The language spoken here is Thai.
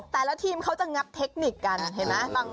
แต่ละทีมเขาจะงับเทคนิคกันเห็นไหม